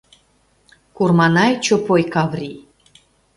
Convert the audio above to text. Курманай Чопой Каври...